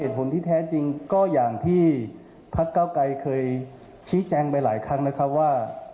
เหตุผลที่แท้จริงก็อย่างที่พักเก้าไกรเคยชี้แจงไปหลายครั้งนะครับว่า